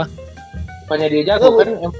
pokoknya dia jago kan